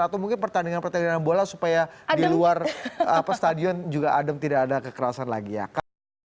atau mungkin pertandingan pertandingan bola supaya di luar stadion juga adem tidak ada kekerasan lagi ya